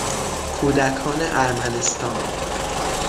کودکان ارمنستان